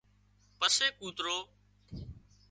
پسي ڪوترو